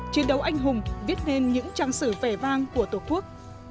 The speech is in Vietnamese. chiến đấu anh hùng viết nên những trang sử vẻ vang của tổ quốc